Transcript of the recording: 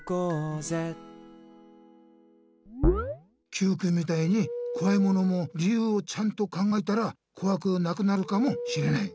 Ｑくんみたいにこわいものも理由をちゃんと考えたらこわくなくなるかもしれない！